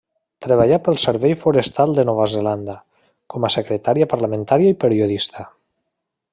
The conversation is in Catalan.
Treballà pel Servei Forestal de Nova Zelanda, com a secretària parlamentària i periodista.